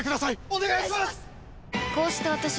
お願いします！